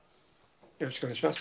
よろしくお願いします。